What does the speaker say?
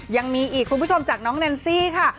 ยังมีอีกคุณผู้ชมจากน้องแนนซี่ค่ะ